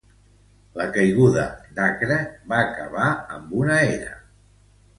La caiguda d'Acre va acabar amb una era.